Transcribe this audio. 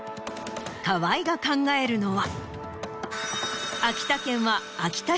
河合が考えるのは。